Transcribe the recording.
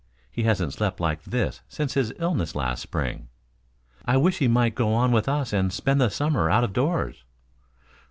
He hasn't slept like this since his illness last spring." "I wish he might go on with us and spend the summer out of doors."